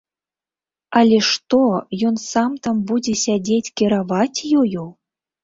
Але што, ён сам там будзе сядзець кіраваць ёю?